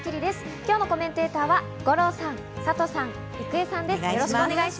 今日のコメンテーターの皆さんです。